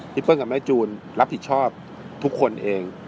เปิ้ลกับแม่จูนรับผิดชอบทุกคนเอง